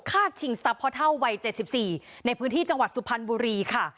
ฆ่าชิงทรัพย์พ่อเท่าวัยเจ็ดสิบสี่ในพื้นที่จังหวัดสุพรรณบุรีค่ะ